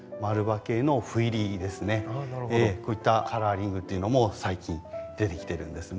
こういったカラーリングっていうのも最近出てきてるんですね。